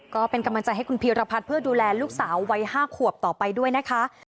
ก็เป็นกำลังใจให้คุณพีรพัฒน์เพื่อดูแลลูกสาววัย๕ขวบต่อไปด้วยนะคะ